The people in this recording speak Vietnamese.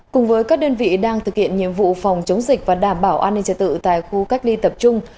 cùng với các đơn vị đang thực hiện nhiệm vụ phòng chống dịch và đảm bảo an ninh trật tự tại khu cách ly tập trung